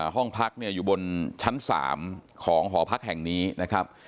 ห้องพักอยู่บนชั้นสามของห่อพักแห่งนี้นะครับ